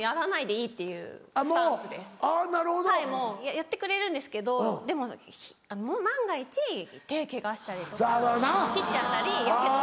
やってくれるんですけどでも万が一手ケガしたりとか切っちゃったりヤケドしたら。